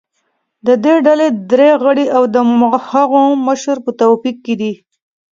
د دې ډلې درې غړي او د هغو مشر په توقیف کې دي